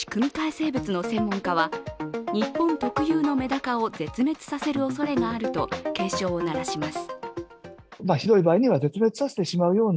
生物の専門家は日本特有のメダカを絶滅させるおそれがあると警鐘を鳴らします。